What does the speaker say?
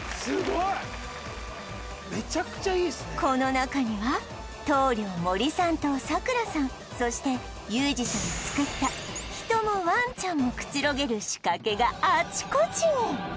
この中には棟梁森さんとさくらさんそしてユージさんが作った人もワンちゃんもくつろげる仕掛けがあちこちに！